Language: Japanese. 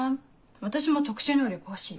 私も特殊能力欲しい。